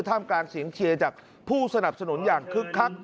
ท่ามกลางเสียงเชียร์จากผู้สนับสนุนอย่างคึกคัก